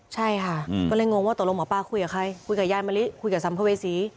ใช่ค่ะก็เลยงงว่าตกลงหมอปลาคุยกับใครคุยกับยายมะลิคุยกับสัมภเวษี